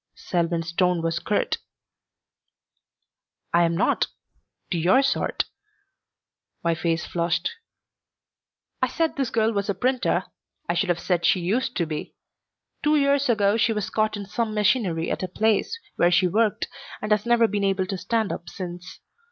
Selwyn's tone was curt. "I am not to your sort." My face flushed. "I said this girl was a printer. I should have said she used to be. Two years ago she was caught in some machinery at the place where she worked and has never been able to stand up since.